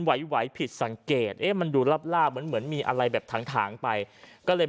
ไหวผิดสังเกตมันดูลาบเหมือนมีอะไรแบบทางไปก็เลย